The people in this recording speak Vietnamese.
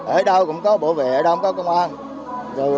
ở đâu cũng có bộ vệ ở đâu cũng có công an